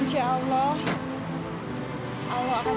insya allah allah akan selalu bantu kita